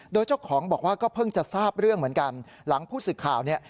โดยเจ้าของบอกว่าก็เพิ่งจะทราบเรื่องเหมือนกันหลังผู้สื่อข่าวเนี่ย